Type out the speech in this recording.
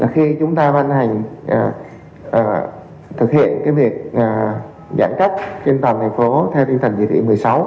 khi chúng ta văn hành thực hiện việc giãn cách trên toàn thành phố theo tình trạng dự định một mươi sáu